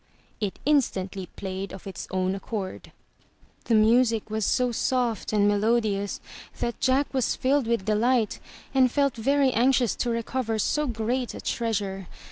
'* it instantly played of its own accord. The music was 383 MY BOOK HOUSE so soft and melodious that Jack was filled with delight and felt very anxious to recover so great a treasure.